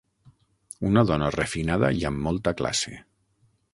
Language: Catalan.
Una dona refinada i amb molta classe.